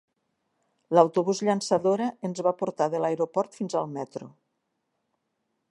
L'autobús llançadora ens va portar de l'aeroport fins al metro.